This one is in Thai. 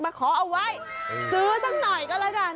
ขอเอาไว้ซื้อสักหน่อยก็แล้วกัน